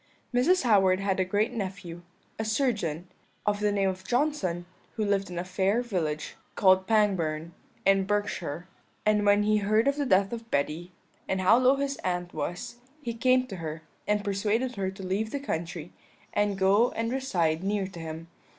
"Mrs. Howard had a great nephew, a surgeon, of the name of Johnson, who lived in a fair village, called Pangbourne, in Berkshire; and when he heard of the death of Betty, and how low his aunt was, he came to her, and persuaded her to leave the country, and go and reside near to him.